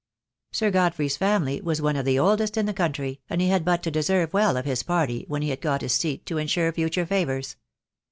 Sir Godfrey's family was one of the oldest in the country, and he had but to deserve well of his party, when he had got his seat, to ensure future favours.